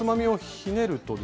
ひねる。